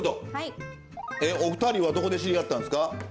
お二人はどこで知り合ったんですか？